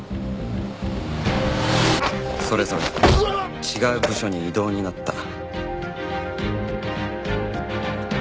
それぞれ違う部署に異動になった